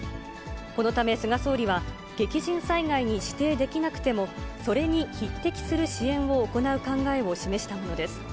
このため、菅総理は激甚災害に指定できなくても、それに匹敵する支援を行う考えを示したものです。